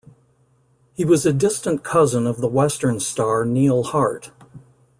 He was a distant cousin of the western star Neal Hart.